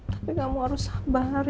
tapi kamu harus sabar